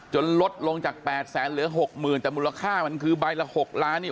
ลดลงจาก๘แสนเหลือหกหมื่นแต่มูลค่ามันคือใบละ๖ล้านนี่